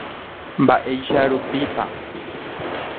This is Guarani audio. Mba'éicha rupípa.